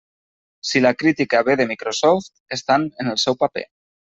Si la crítica ve de Microsoft, estan en el seu paper.